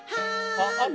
「あっ！